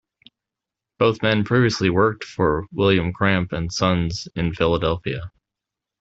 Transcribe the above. Both men previously worked for William Cramp and Sons in Philadelphia.